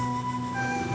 minyaknya udah bao